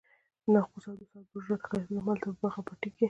ناقوس او د ساعت برج راته ښکارېده، همالته په باغ او پټي کې.